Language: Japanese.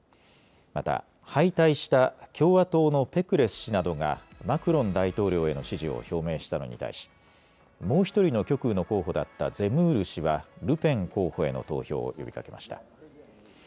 また、敗退した共和党のペクレス氏などがマクロン大統領への支持を表明したのに対しもう１人の極右の候補だったゼムール氏はルペン候補への投票を呼びかけました。